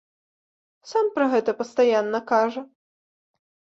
Сам пра гэта пастаянна кажа.